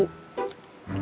kita masih bersama